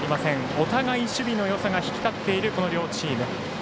お互い、守備のよさが光っているこの両チーム。